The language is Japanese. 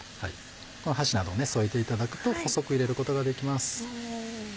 箸などを添えていただくと細く入れることができます。